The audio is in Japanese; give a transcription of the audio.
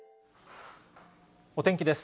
お天気です。